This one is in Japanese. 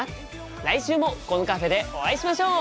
来週もこのカフェでお会いしましょう！